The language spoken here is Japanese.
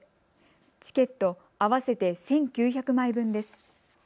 チケット合わせて１９００枚分です。